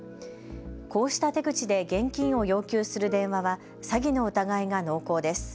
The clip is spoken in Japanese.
こうした手口で現金を要求する電話は詐欺の疑いが濃厚です。